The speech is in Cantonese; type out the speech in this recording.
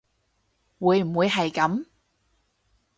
會唔會係噉